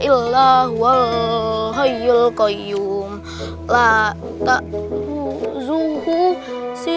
supaya kamu gak susah kayak gini lagi